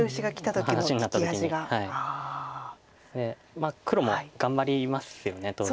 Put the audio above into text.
まあ黒も頑張りますよね当然。